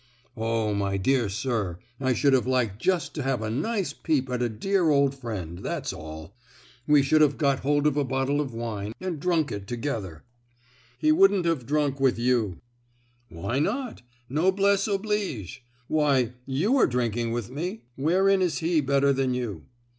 "Oh, my dear sir, I should have liked just to have a nice peep at a dear old friend, that's all. We should have got hold of a bottle of wine, and drunk it together!" "He wouldn't have drunk with you!" "Why not? Noblesse oblige? Why, you are drinking with me. Wherein is he better than you?"